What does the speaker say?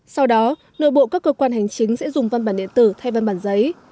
sau đó nội bộ các cơ quan hành chính sẽ dùng văn bản điện tử thay văn bản giấy